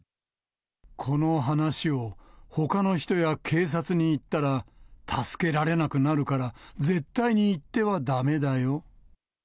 この話をほかの人や警察に言ったら、助けられなくなるから、絶対に言ってはだめだよ。